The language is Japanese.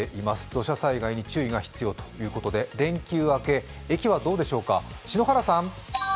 土砂災害に注意が必要ということで、連休明け、駅はどうでしょうか？